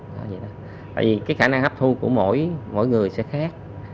tại vì cái khả năng hấp thu của mỗi người sẽ khác